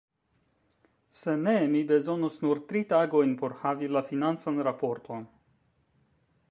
Se ne, mi bezonus nur tri tagojn por havi la financan raporton.